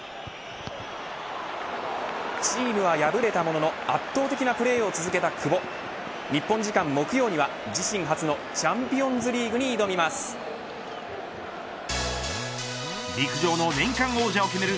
チームは敗れたものの圧倒的なプレーを続けた久保日本時間、木曜には自身初のチャンピオンズリーグに陸上の年間王者を決める